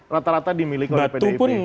rata rata di malang